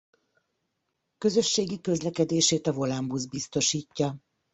Közösségi közlekedését a Volánbusz biztosítja.